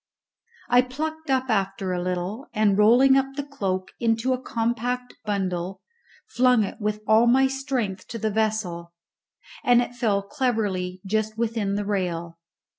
I plucked up after a little, and, rolling up the cloak into a compact bundle, flung it with all my strength to the vessel, and it fell cleverly just within the rail.